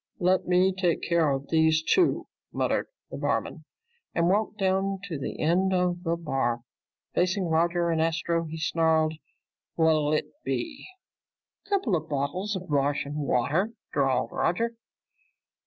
"Let me take care of these two," muttered the bartender and walked down to the end of the bar. Facing Roger and Astro, he snarled, "What'll it be?" "Coupla bottles of Martian water," drawled Roger.